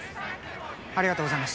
ありがとうございます。